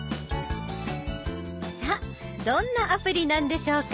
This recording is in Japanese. さあどんなアプリなんでしょうか？